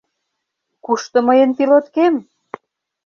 — Кушто мыйын пилоткем?